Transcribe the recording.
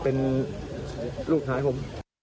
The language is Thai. เป็นลูกขาให้ผม